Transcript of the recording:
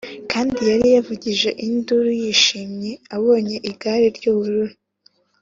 kandi yari yavugije induru yishimye abonye igare ry'ubururu